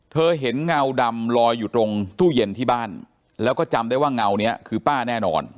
เธอเห็นเงาดำลอยอยู่ตรงตู้เย็นที่บ้านแล้วก็จำได้ว่าเงานี้คือป้าแน่นอน